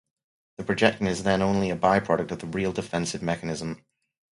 The projection is then only a by-product of the real defensive mechanism.